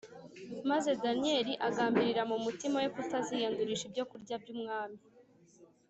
Maze Daniyeli agambirira mu mutima we kutaziyandurisha ibyokurya by’umwami